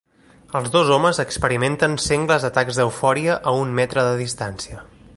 Els dos homes experimenten sengles atacs d'eufòria a un metre de distància.